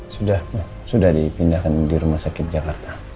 sudah sudah dipindahkan di rumah sakit jakarta